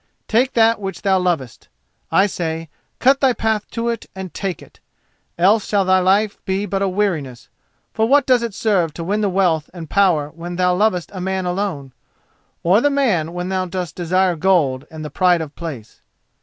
Take that which thou lovest—I say, cut thy path to it and take it; else shall thy life be but a weariness: for what does it serve to win the wealth and power when thou lovest a man alone, or the man when thou dost desire gold and the pride of place?